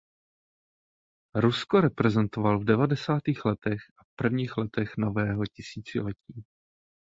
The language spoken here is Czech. Rusko reprezentoval v devadesátých letech a v prvních letech nového tisíciletí.